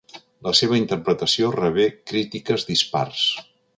La seva interpretació rebé crítiques dispars.